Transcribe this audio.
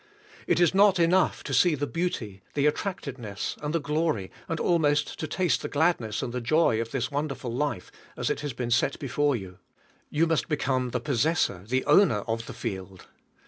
It is not enough to see the beauty, the attractiveness and the glory, and almost to taste the gladness and the joy of this wonderful life as it has been set before you. You must become the possessor, the owner of the field.